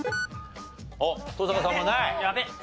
あっ登坂さんもない。